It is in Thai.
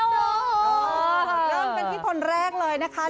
ย่อมเป็นที่คนแรกเลยนะคะ